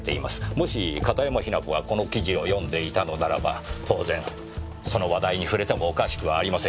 もし片山雛子がこの記事を読んでいたのならば当然その話題に触れてもおかしくはありません。